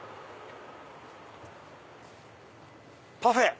「パフェ」！